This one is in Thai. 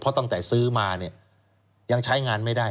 เพราะตั้งแต่ซื้อมาเนี่ยยังใช้งานไม่ได้